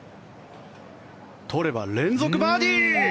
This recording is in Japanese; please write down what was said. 取れば連続バーディー。